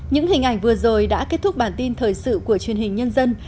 những hình ảnh vừa rồi đã kết thúc bản tin thời sự của truyền hình nhân dân